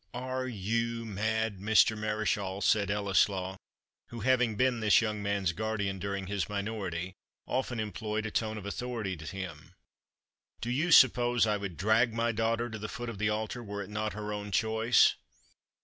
"Are you mad, Mr. Mareschal?" said Ellieslaw, who, having been this young man's guardian during his minority, often employed a tone of authority to him. "Do you suppose I would drag my daughter to the foot of the altar, were it not her own choice?"